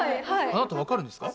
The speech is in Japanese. あなたわかるんですか？